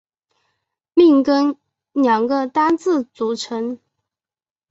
命根两个单字组成。